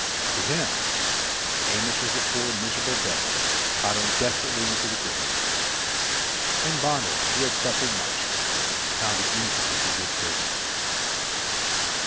To him, Amos was a poor, miserable devil, tottering desperately into the grave. And Bonner, who had suffered much, found it easy to forgive greatly.